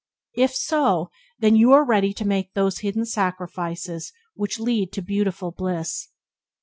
If so, then you are ready to make those hidden sacrifices which lead to beatific bliss.